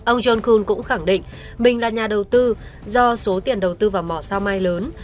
ông john kun cũng khẳng định mình là nhà đầu tư do số tiền đầu tư vào mỏ sao mai lớn